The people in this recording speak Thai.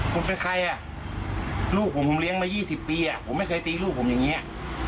คุณเป็นใครอ่ะลูกผมผมเลี้ยงมา๒๐ปีผมไม่เคยตีลูกผมอย่างนี้